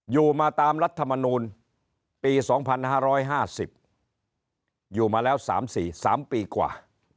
อยู่มาตามรัฐมนูลปี๒๕๕๐อยู่มาแล้ว๓๔๓ปีกว่า